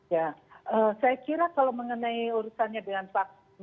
ya saya kira kalau mengenai urusannya dengan vaksin